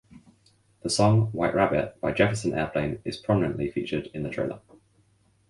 The song "White Rabbit" by Jefferson Airplane is prominently featured in the trailer.